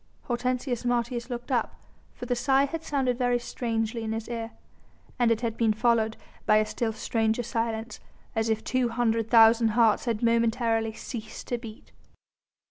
Hortensius Martius looked up, for the sigh had sounded very strangely in his ear, and it had been followed by a still stranger silence, as if two hundred thousand hearts had momentarily ceased to beat.